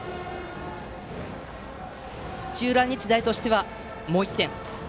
土浦日大としては、もう１点。